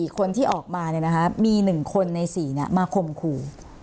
๔คนที่ออกมาเนี่ยนะคะมี๑คนใน๔เนี่ยมาคมครู